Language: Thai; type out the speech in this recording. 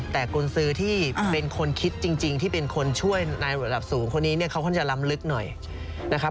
แต่กุญศือที่เป็นคนคิดจริงที่เป็นคนช่วยนายหลักสูงคนนี้เขาควรจะล้ำลึกหน่อยนะครับ